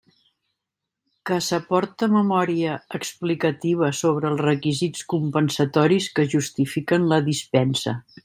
Que s'aporte memòria explicativa sobre els requisits compensatoris que justifiquen la dispensa.